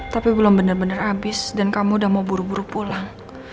tapi belum benar benar habis dan kamu udah mau buru buru pulang